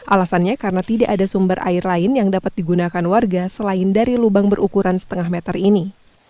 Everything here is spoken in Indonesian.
alasannya karena tidak ada sumber air lain yang dapat digunakan warga selain dari lubang berukuran setengah meter ini